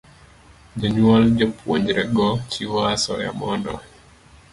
Jonyuol jopuonjrego chiwo asoya mondo